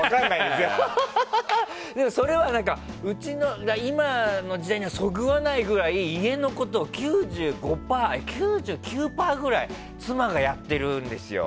でも、それは今の時代にはそぐわないぐらい家のことを９９％ぐらい妻がやってるんですよ。